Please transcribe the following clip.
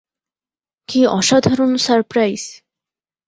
কি অসাধারণ সারপ্রাইজ!